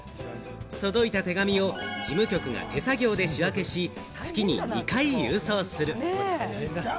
届いた手紙を事務局が手作業で仕分けし、月に２回郵送する。